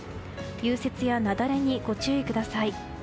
融雪や雪崩にご注意ください。